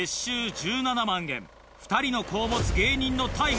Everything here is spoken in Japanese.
１７万円２人の子を持つ芸人のＴＡＩＧＡ。